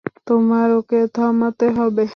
তোমার ওকে থামাতে হবে।